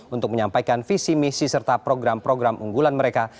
untuk menyampaikan visi misi serta program program unggulan mereka